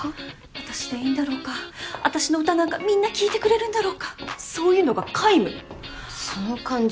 私でいいんだろうか私の歌なんかみんな聴いてくれるんだろうかそういうのが皆無その感じ